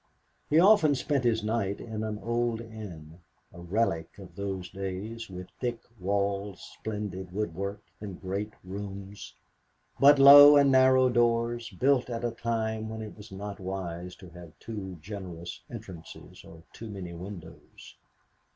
He often spent his night in an old inn, a relic of those days, with thick walls, splendid woodwork and great rooms, but low and narrow doors, built at a time when it was not wise to have too generous entrances or too many windows.